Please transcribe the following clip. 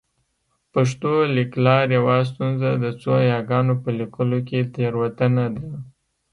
پښتو لیکلار یوه ستونزه د څو یاګانو په لیکلو کې تېروتنه ده